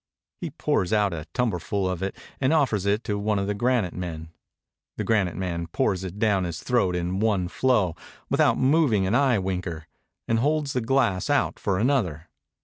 He pours out a tumblerful of it, and offers it to one of the gram'te men. The granite man pours it down his throat in one flow, without moving an eye winker, and holds the glass out for another.